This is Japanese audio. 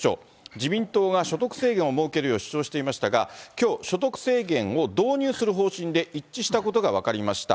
自民党が所得制限を設けるよう主張していましたが、きょう、所得制限を導入する方針で一致したことが分かりました。